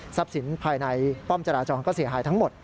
สินภายในป้อมจราจรก็เสียหายทั้งหมด